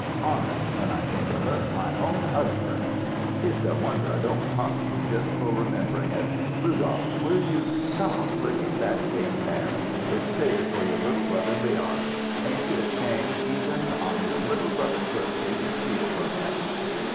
Honest, when I think of it my own husband it's a wonder I don't potch you just for remembering it. Rudolph, will you stop licking that cake pan? It's saved for your little brother Leon. Ain't you ashamed even on your little brother's birthday to steal from him?"